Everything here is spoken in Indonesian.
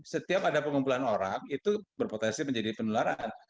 setiap ada pengumpulan orang itu berpotensi menjadi penularan